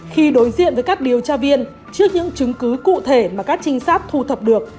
khi đối diện với các điều tra viên trước những chứng cứ cụ thể mà các trinh sát thu thập được